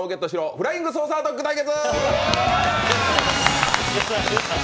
フライングソーサードッグ対決。